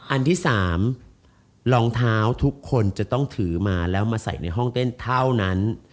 อันที่๓รองเท้าทุกคนจะต้องถือมาแล้วมาใส่ในห้องเต้นเท่านั้น